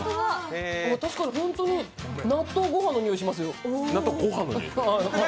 確かに本当に納豆御飯の匂いしますよ。